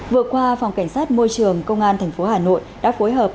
vừa qua phòng cảnh sát môi trường công an thành phố hà nội đã phối hợp